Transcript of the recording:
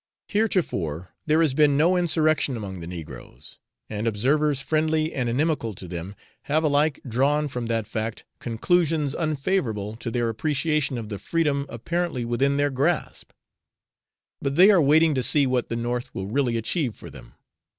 Hitherto there has been no insurrection among the negroes, and observers friendly and inimical to them have alike drawn from that fact conclusions unfavourable to their appreciation of the freedom apparently within their grasp; but they are waiting to see what the North will really achieve for them.